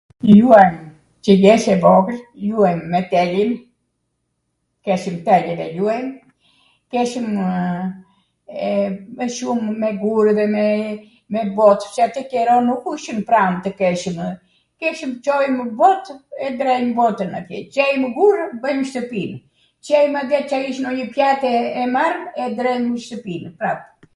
ljuajm, qw jesh e vogwl, ljuajm me telin, keshwm tel edhe ljuajm, keshwmw me shum, me gur edhe me, me bot, pse atw qero nuk ishin pram tw keshwmw, keshwm Cojmw bot, e drejmw botwn atje, Cojmw gurw, bwjm shtwpi, Cojm atje an ish ndonjw pjatw e marmw e drejmw shtwpin prap